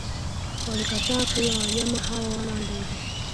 walikataa kula wanyama hao wala ndege